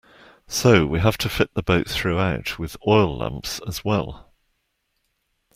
So we have to fit the boat throughout with oil lamps as well.